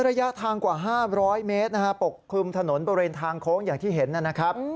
ระยะทางกว่า๕๐๐เมตรนะฮะปกคลุมถนนบริเวณทางโค้งอย่างที่เห็นนะครับ